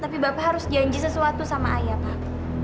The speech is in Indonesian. tapi bapak harus janji sesuatu sama ayah pak